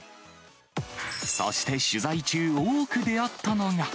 そして取材中、多く出会ったのが。